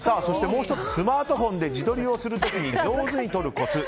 もう１つ、スマートフォンで自撮りをする時にうまくするコツ。